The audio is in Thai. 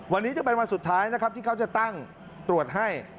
วันนี้จึงเป็นวันสุดท้ายนะครับที่เขาจะตั้งตรวจให้